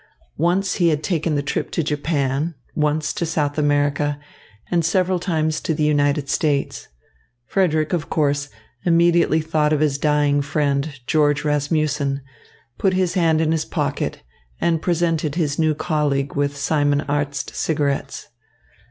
Once he had taken the trip to Japan, once to South America, and several times to the United States. Frederick, of course, immediately thought of his dying friend, George Rasmussen, put his hand in his pocket, and presented his new colleague with Simon Arzt cigarettes.